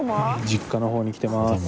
実家の方に来てます。